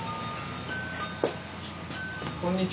こんにちは。